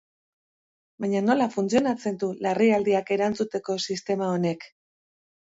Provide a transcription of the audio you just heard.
Baina nola funtzionatzen du larrialdiak erantzuteko sistema honek?